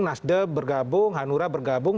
masde bergabung hanura bergabung